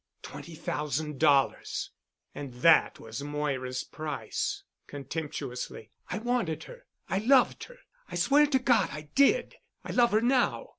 "Twenty thousand dollars——" "And that was Moira's price——" contemptuously. "I wanted her. I loved her. I swear to God I did. I love her now.